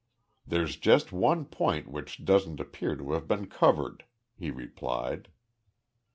"There's just one point which doesn't appear to have been covered," he replied.